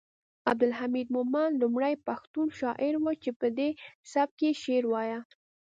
عبدالحمید مومند لومړی پښتون شاعر و چې پدې سبک یې شعر وایه